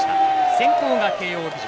先攻が慶応義塾。